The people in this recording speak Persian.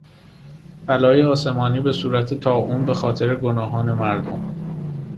بلای آسمانی به صورت طاعون به خاطر گناهان مردم